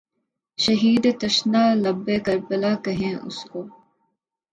شہیدِ تشنہ لبِ کربلا کہیں اُس کو